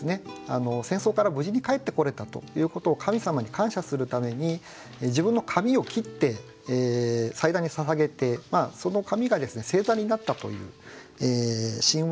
戦争から無事に帰ってこれたということを神様に感謝するために自分の髪を切って祭壇にささげてその髪が星座になったという神話をベースにしている歌ですね。